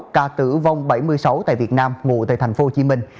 ca tử vong bảy mươi sáu tại việt nam ngụ tại thành phố hồ chí minh